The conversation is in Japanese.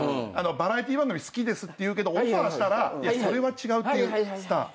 バラエティー番組好きですって言うけどオファーしたらそれは違うっていうスター。